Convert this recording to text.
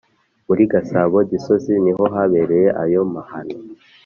muri Gasabo Gisozi niho habereye ayo mahano.